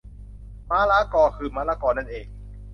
ม้าล้ากอ คือมะละกอนั่นเอง